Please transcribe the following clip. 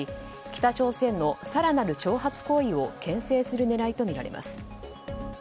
北朝鮮の更なる挑発行為を牽制する狙いとみられます。